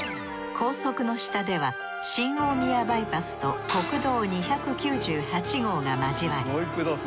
高速の下では新大宮バイパスと国道２９８号が交わり